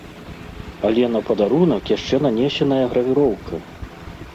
Але на падарунак яшчэ нанесеная гравіроўка!